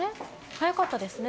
早かったですね。